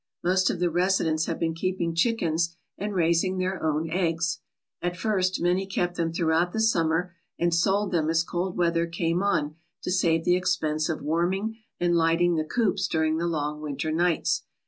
" Most of the residents have been keeping chickens and raising their own ggs. At first many kept them throughout the summer and sold them as cold weather came on to save the expense of warming and lighting the coops during the long winter nights.